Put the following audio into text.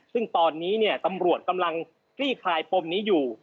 ซึ่งตอนนี้เนี่ยตำรวจกำลังคลี่คลายปมนี้อยู่